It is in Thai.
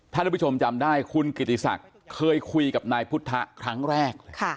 ท่านผู้ชมจำได้คุณกิติศักดิ์เคยคุยกับนายพุทธะครั้งแรก